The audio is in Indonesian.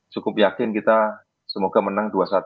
cukup yakin kita semoga menang dua satu